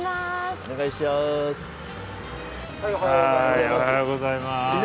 おはようございます。